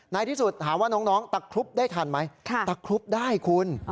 ในที่สุดถามว่าน้องตักครุบได้ทันไหม